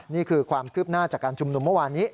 นี่คือความคืบหน้าจากการชุมนุมเมื่อวานนี้